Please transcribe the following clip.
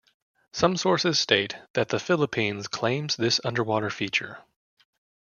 Some sources state that the Philippines claims this underwater feature.